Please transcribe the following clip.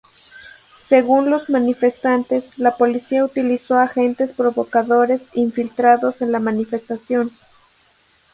Según los manifestantes, la Policía utilizó agentes provocadores infiltrados en la manifestación.